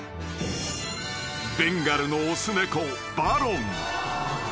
［ベンガルの雄猫バロン］